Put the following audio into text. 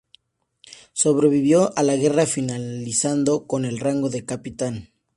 Sobrevivió a la guerra, finalizando con el rango de Capitán.